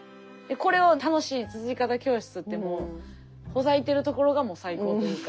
これを「楽しい『つづり方』教室」ってもうほざいてるところがもう最高というか。